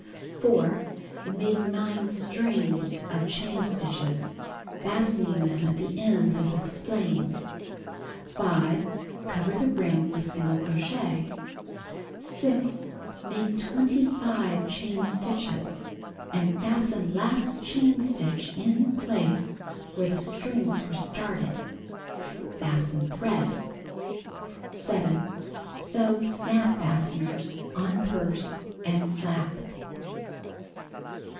4. Make 9 strings of chain stitches, fastening them at the ends as explained. 5. Cover the ring with single crochet. 6. Make 25 chain stitches, and fasten last chain stitch in the place where the strings were started. Fasten thread. 7. Sew snap fasteners on purse and flap.